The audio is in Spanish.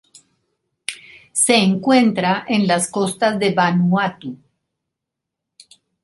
Se encuentra en las costas de Vanuatu.